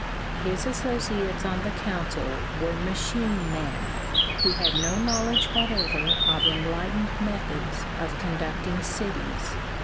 His associates on the Council were machine men, who had no knowledge whatever of enlightened methods of conducting cities.